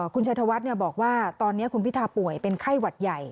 คุณชัยธวัฒน์บอกว่าตอนนี้คุณพิธาป่วยเป็นไข้หวัดใหญ่